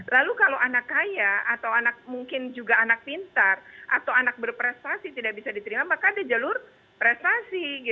lalu kalau anak kaya atau anak mungkin juga anak pintar atau anak berprestasi tidak bisa diterima maka ada jalur prestasi